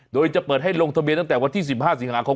โดยจะเปิดให้ลงทะเบียนตั้งแต่วันที่๑๕สิงหาคม